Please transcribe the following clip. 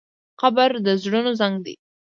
قبر د زړونو زنګ دی.